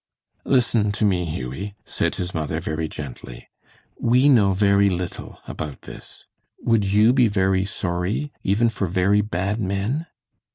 "Listen to me, Hughie," said his mother, very gently. "We know very little about this. Would you be very sorry, even for very bad men?"